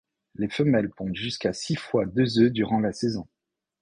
Les femelles pondent jusqu'à six fois deux œufs durant la saison.